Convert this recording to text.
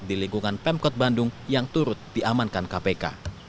di lingkungan pemkot bandung yang turut diamankan kpk